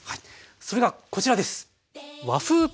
それがこちらです！